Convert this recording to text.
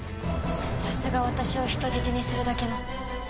さすが私を人質にするだけの。